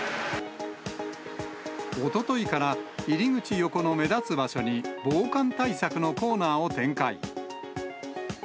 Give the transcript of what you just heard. おとといから、入り口横の目立つ場所に、防寒対策のコーナーを展開。